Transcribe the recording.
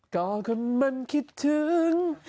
ก่อคุณมันคิดถึง